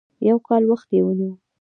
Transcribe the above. يو کال وخت یې ونیو.